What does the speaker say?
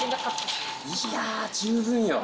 いや十分よ。